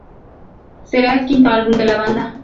Será el quinto álbum de la banda.